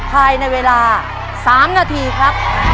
ภายในเวลา๓นาทีครับ